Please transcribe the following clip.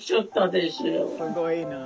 すごいなあ。